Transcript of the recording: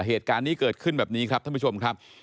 เหตุการณ์นี้เกิดขึ้นแบบนี้ครับท่านผู้ชมครับ